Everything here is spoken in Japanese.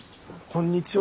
こんにちは。